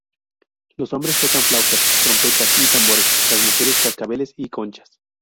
Los hombres tocan flautas, trompetas y tambores, las mujeres cascabeles y conchas.